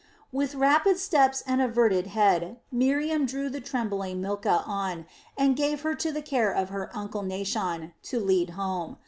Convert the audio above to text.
With rapid steps and averted head Miriam drew the trembling Milcah on and gave her to the care of her uncle Naashon to lead home.